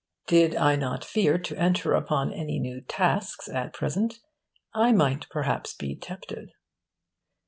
'Did I not fear to enter upon any new tasks at present, I might perhaps be tempted.